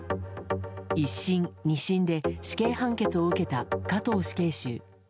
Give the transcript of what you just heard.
１審、２審で死刑判決を受けた加藤死刑囚。